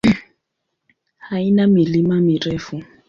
Haina milima mirefu.